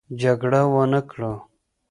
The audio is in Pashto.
جګړه ونه کړو.